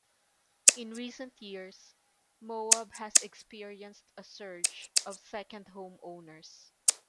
In recent years Moab has experienced a surge of second-home owners.